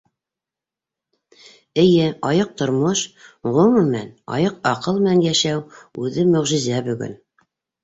Эйе, айыҡ тормош, ғөмүмән, айыҡ аҡыл менән йәшәү үҙе мөғжизә бөгөн.